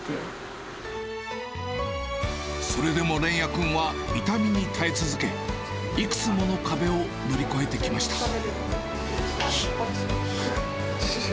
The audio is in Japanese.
それでも連也君は痛みに耐え続け、いくつもの壁を乗り越えてきました。